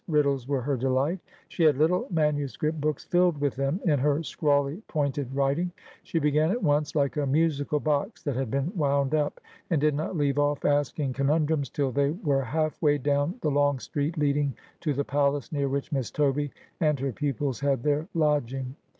Riddles were her delight. She had little manuscript books filled with them in her scrawly, pointed writing. She began at once, like a musical box that has been wound up, and did not leave odf asking conundrums till they were half way down the long street leading to the palace, near which Miss Toby and her pupils had their lodging.